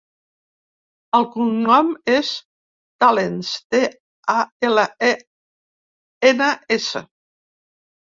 El cognom és Talens: te, a, ela, e, ena, essa.